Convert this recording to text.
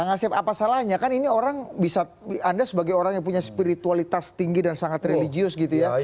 apa salahnya anda sebagai orang yang punya spiritualitas tinggi dan sangat religius gitu ya